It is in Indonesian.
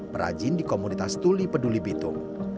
perajin di komunitas tuli peduli bitung